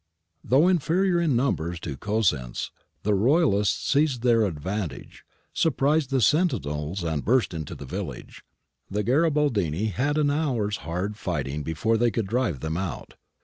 ^ Though inferior in numbers to Cosenz, the Royalists seized their advantage, surprised the sentinels and burst into the village. The Garibaldini had an hour's hard fighting before they could drive them out.